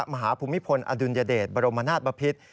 ภูมิพลอดุลยเดชบรมนาศบพิษ